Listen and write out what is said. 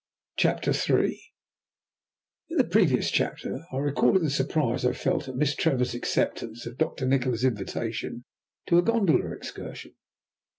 CHAPTER III In the previous chapter I recorded the surprise I felt at Miss Trevor's acceptance of Doctor Nikola's invitation to a gondola excursion.